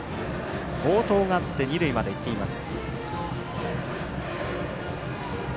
暴投があって二塁まで行っています。